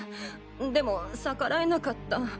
でも逆らえなかった。